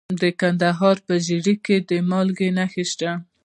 د کندهار په ژیړۍ کې د مالګې نښې شته.